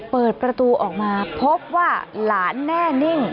เปิดประตูออกมาพบว่าหลานแน่นิ่ง